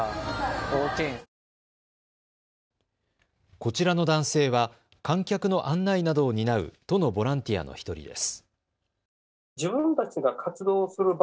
こちらの男性は観客の案内などを担う都のボランティアの１人です。